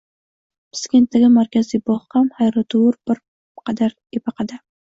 Piskentdagi markaziy bogʻ ham, haytovur bir qadar epaqada.